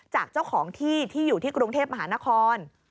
จากเจ้าของที่ที่อยู่ที่กรุงเทพมหานคร